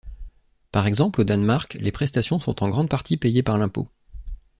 Par exemple au Danemark les prestations sont en grande partie payées par l'impôt.